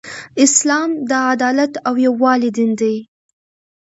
اسلام د عدالت او یووالی دین دی .